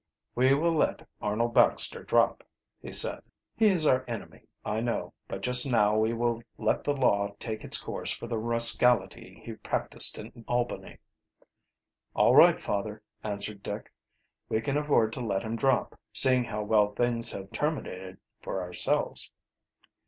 "We will let Arnold Baxter drop," he said. "He is our enemy, I know; but just now we will let the law take its course for the rascality he practiced in Albany." "All right, father," answered Dick. "We can afford to let him drop, seeing how well things have terminated for ourselves."